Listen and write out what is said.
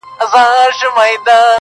شرجلال مي ته، په خپل جمال کي کړې بدل~